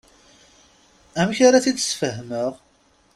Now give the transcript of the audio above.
Amek ara t-id-sfehmeɣ?